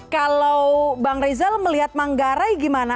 kalau bang rizal melihat manggarai gimana